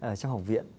cô gái trong học viện